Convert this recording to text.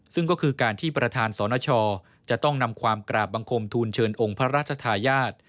ซึ่งก็คือการที่ประธานสนชจะต้องนำความกราบบังคมทูลเชิญองค์พระราชทายาท